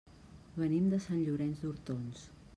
Venim de Sant Llorenç d'Hortons.